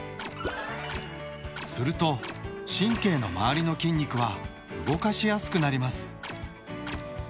すると神経のまわりの筋肉は動かしやすくなります。